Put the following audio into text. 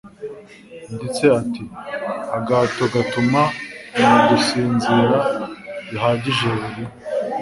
nditse ati agahato gatuma umugusinzira bihagije buri